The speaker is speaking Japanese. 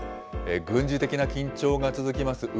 軍事的な緊張が続きます